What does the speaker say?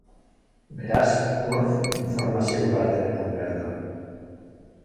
Beraz, hor, informazio gardena egon behar da.